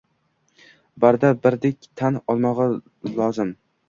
barcha birdek tan olmog‘i lozim